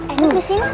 eh ini kesini